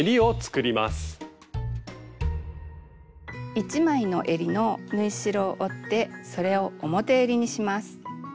１枚のえりの縫い代を折ってそれを表えりにします。